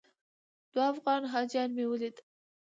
دوه افغان حاجیان مې ولیدل.